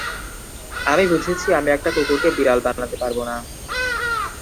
আমি বুঝেছি আমি একটা কুকুরকে বিড়াল বানাতে পারবো না।